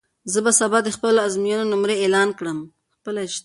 زه به سبا د خپلو ازموینو نمرې اعلان کړم.